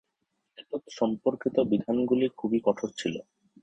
এতৎসম্পর্কিত বিধানগুলি খুবই কঠোর ছিল।